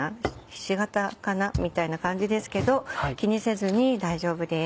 ひし形かなみたいな感じですけど気にせずに大丈夫です。